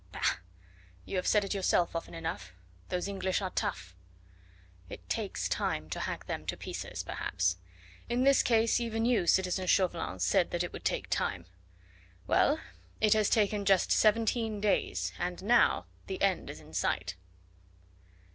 "Bah! you have said it yourself often enough; those English are tough." "It takes time to hack them to pieces, perhaps. In this case even you, citizen Chauvelin, said that it would take time. Well, it has taken just seventeen days, and now the end is in sight."